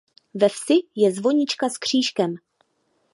Ve vsi je zvonička s křížkem.